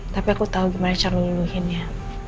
tapi aku tau gimana caranya luluhinnya